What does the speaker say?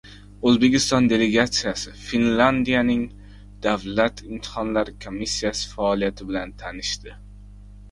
O‘zbekiston delegatsiyasi Finlyandiyaning Davlat imtihonlari komissiyasi faoliyati bilan tanishdi